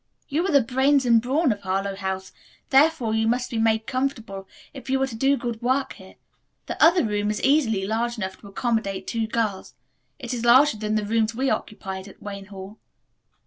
You are the brains and brawn of Harlowe House, therefore you must be made comfortable if you are to do good work here. The other room is easily large enough to accommodate two girls. It is larger than the rooms we occupied at Wayne Hall."